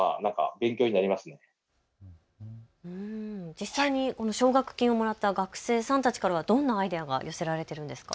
実際にこの奨学金をもらった学生さんたちからはどんなアイデアが寄せられているんですか？